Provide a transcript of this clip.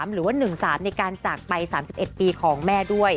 หรือว่า๑๓ในการจากไป๓๑ปีของแม่ด้วย